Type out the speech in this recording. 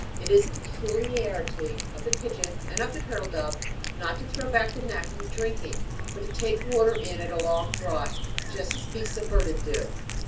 It is a peculiarity of the pigeon and of the turtle dove, not to throw back the neck when drinking, but to take in the water at a long draught, just as beasts of burden do. {So.)